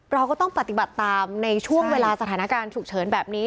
เราก็ต้องปฏิบัติตามในช่วงเวลาสถานการณ์ฉุกเฉินแบบนี้